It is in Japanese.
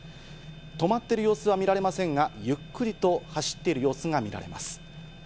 止まっている様子は見られませんが、ゆっくりと走っている様子が見られます。